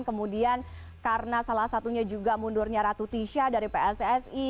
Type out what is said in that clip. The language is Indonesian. kemudian karena salah satunya juga mundurnya ratu tisha dari pssi